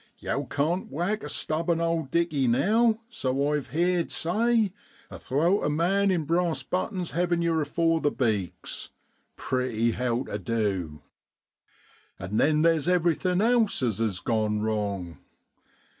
Yow can't whack a stubborn owd dicky now, so I've heerd say, athowt a man in brass buttons hevin' yer afore the beaks. Pritty how tu du ! An' then there's everything else as is gone wrong.